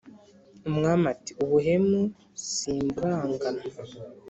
umwami Ati: "Ubuhemu simburanganwa